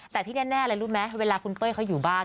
แต่ที่แน่อะไรรู้ไหมเวลาคุณเป้ยเขาอยู่บ้าน